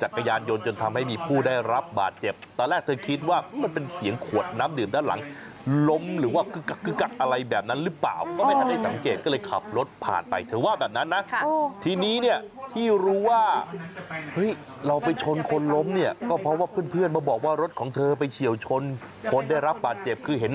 จากกระยานยนต์จนทำให้มีผู้ได้รับบาดเจ็บตอนแรกเธอคิดว่ามันเป็นเสียงขวดน้ำดื่มด้านหลังล้มหรือว่ากึกกักอะไรแบบนั้นหรือเปล่าก็ไม่ทันได้สังเกตก็เลยขับรถผ่านไปเธอว่าแบบนั้นนะทีนี้เนี่ยที่รู้ว่าเราไปชนคนล้มเนี่ยก็เพราะว่าเพื่อนมาบอกว่ารถของเธอไปเฉียวชนคนได้รับบาดเจ็บคือเห็